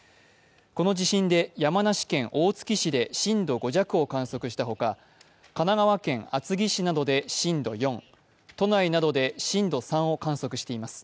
この地震で山梨県大月市で震度５弱を観測したほか、神奈川県厚木市などで震度４、都内などで震度３を観測しています。